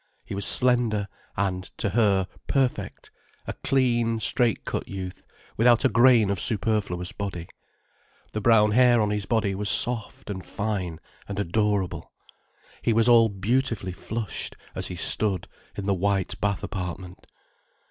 He was slender, and, to her, perfect, a clean, straight cut youth, without a grain of superfluous body. The brown hair on his body was soft and fine and adorable, he was all beautifully flushed, as he stood in the white bath apartment.